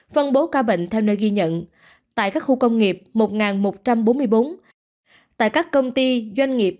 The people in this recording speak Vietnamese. phân bố ca bệnh theo nơi ghi nhận tại các khu công nghiệp một một trăm bốn mươi bốn tại các công ty doanh nghiệp